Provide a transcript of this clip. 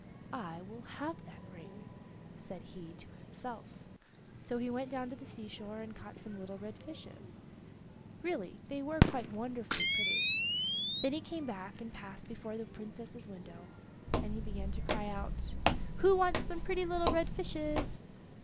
"I will have that ring," said he to himself. So he went down to the sea shore and caught some little red fishes. Really, they were quite wonderfully pretty. Then he came back, and, passing before the Princess's window, he began to cry out: "Who wants some pretty little red fishes?"